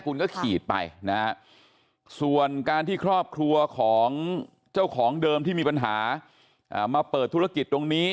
คุณก็ขีดไปนะฮะส่วนการที่ครอบครัวของเจ้าของเดิมที่มีปัญหามาเปิดธุรกิจตรงนี้